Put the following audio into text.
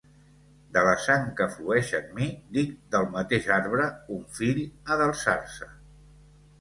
De la sang que flueix en mi, dic del mateix arbre, un fill ha d'alçar-se.